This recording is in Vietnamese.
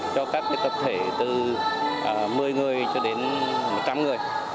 cho các tập thể từ một mươi người cho đến một trăm linh người